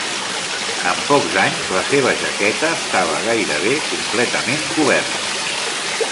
En pocs anys, la seva jaqueta estava gairebé completament coberta.